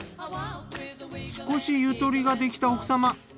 少しゆとりができた奥様。